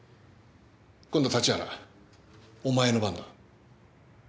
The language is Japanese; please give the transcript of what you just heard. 今度は立原お前の番だ。